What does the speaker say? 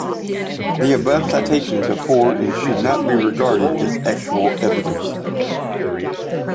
The above citations are poor and should not be regarded as actual evidence.